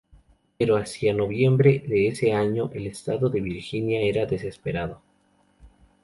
Pero hacia noviembre de ese año, el estado de Virginia era desesperado.